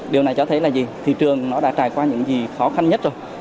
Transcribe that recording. điều này cho thấy là gì thị trường nó đã trải qua những gì khó khăn nhất rồi